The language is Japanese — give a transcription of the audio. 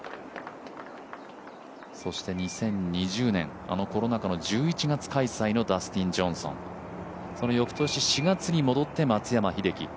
そして２０２０年、コロナ禍の１１月開催のダスティン・ジョンソン、その翌年の４月に戻って松山英樹。